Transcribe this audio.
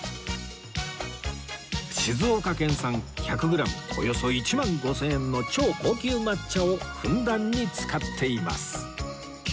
静岡県産１００グラムおよそ１万５０００円の超高級抹茶をふんだんに使っています